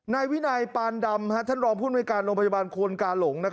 นายวินัยปานดำท่านรองภูมิในการโรงพยาบาลควนกาหลง